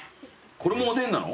これもおでんなの？